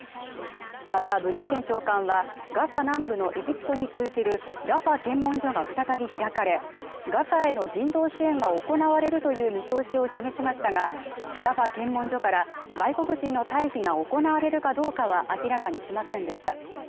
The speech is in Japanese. またブリンケン長官はガザ南部のエジプトに通じるラファ検問所が再び開かれガザへの人道支援が行われるという見通しを示しましたがラファ検問所から外国人の退避が行われるかどうかは明らかにしませんでした